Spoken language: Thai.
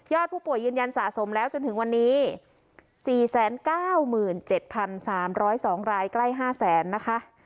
ยอดผู้ป่วยยืนยันสะสมแล้วจนถึงวันนี้สี่แสนเก้าหมื่นเจ็ดพันสามร้อยสองรายใกล้ห้าแสนนะคะ